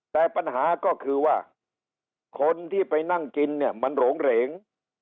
แต่ปัญหาก็คือว่าคนที่ไปนั่งกินเนี่ยมันหลงเหรง